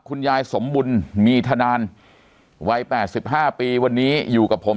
คุณยายสมบุญมีธนานวัย๘๕ปีวันนี้อยู่กับผม